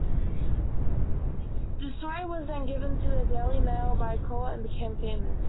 The story was then given to the "Daily Mail" by Cole and became famous.